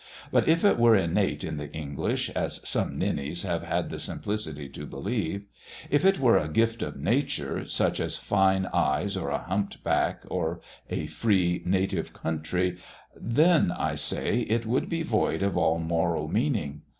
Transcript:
But if it were innate in the English as some ninnies have had the simplicity to believe if it were a gift of nature, such as fine eyes, or a humped back, or a free native country then I say, it would be void of all moral meaning.